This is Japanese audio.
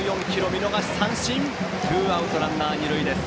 見逃し三振でツーアウトランナー、二塁です。